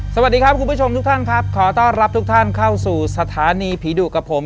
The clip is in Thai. สวัสดีครับคุณผู้ชมทุกท่านครับขอต้อนรับทุกท่านเข้าสู่สถานีผีดุกับผม